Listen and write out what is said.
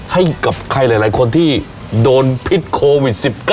ให้กับใครหลายคนที่โดนพิษโควิด๑๙